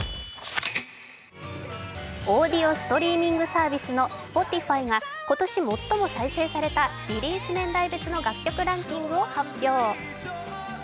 オーディオストリーミングサービスのＳｐｏｔｉｆｙが今年最も再生されたリリース年代別の楽曲ランキングを発表。